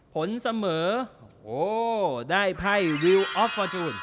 ผลเสมอโอ้โหได้ไพ่วิวออฟฟอร์จูน